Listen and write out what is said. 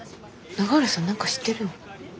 永浦さん何か知ってるの？